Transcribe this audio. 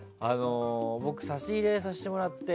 僕、差し入れさせてもらって。